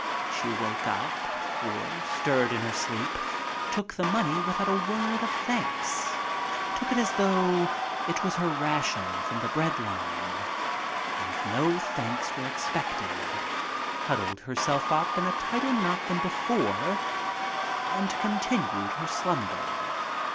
She woke up, or stirred in her sleep, took the money without a word of thanks — took it as though it was her ration from the bread line and no thanks were expected, huddled herself up in a tighter knot than before, and con tinued her slumber.